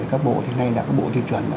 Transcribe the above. các bộ thì nay đã có bộ tiêu chuẩn